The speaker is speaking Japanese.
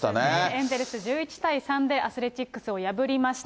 エンゼルス、１１対３でアスレチックスを破りました。